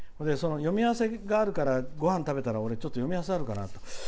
読み合わせがあるからごはん食べたら俺、ちょっと読み合わせあるから。